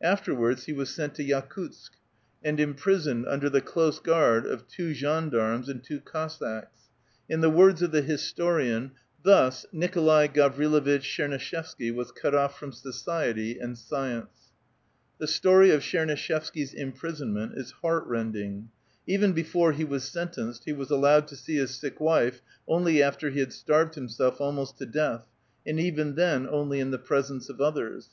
Afterwards he was sent to Yakutsk, and imprisoned under the close guard of two gens d^armes and two Cossacks. In the words of the historian, *' Thus Nikolai Gavrilovitch Tchernuishevsky was cut off from society and science." The story of Tcheruuishevsky's imprisonment is heart rending. Even before he was sentenced, he was allowed to see his sick wife only after he had starved himself almost to death, and even then only in the presence t)f others.